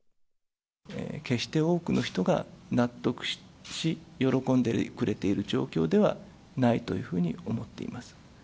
決して多くの人が納得し、喜んでくれている状況ではないというふうに思っています。